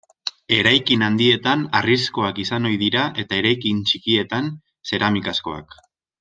Eraikin handietan harrizkoak izan ohi dira eta eraikin txikietan zeramikazkoak.